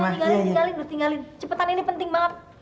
udah udah cepetan tinggalin udah tinggalin cepetan ini penting banget